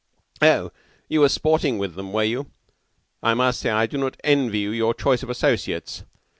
"Oh, you were sporting with them, were you? I must say I do not envy you your choice of associates.